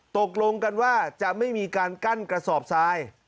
ตกลงกันว่าจะไม่มีการกั้นกระสอบทราย